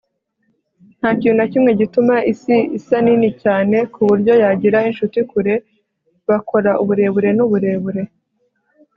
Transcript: nta kintu na kimwe gituma isi isa nini cyane ku buryo yagira inshuti kure; bakora uburebure n'uburebure